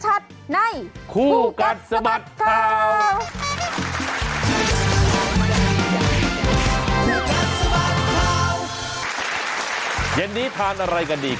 ใช้เมียได้ตลอด